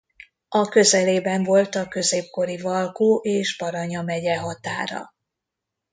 A közelében volt a középkori Valkó és Baranya megye határa.